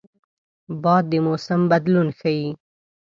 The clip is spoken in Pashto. باد د موسم بدلون ښيي